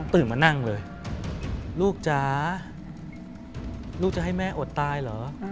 มานั่งเลยลูกจ๋าลูกจะให้แม่อดตายเหรอ